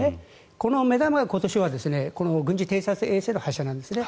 この目玉が今年は軍事偵察衛星の発射なんですね。